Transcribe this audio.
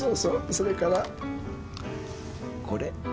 それからこれ。